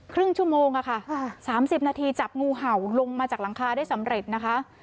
ครึ่งชั่วโมงค่ะ๓๐นาทีจับงูเห่าลงมาจากหลังคาได้สำเร็จนะคะ